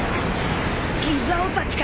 ギザ男たちか。